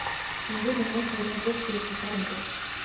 Ингээд өнөөх хоёрын бүх зүйл талаар өнгөрөв.